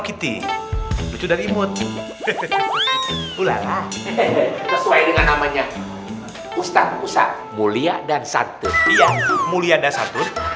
kitty lucu dan imut hehehe hehehe hehehe namanya ustadz ustadz mulia dan santun mulia dan santun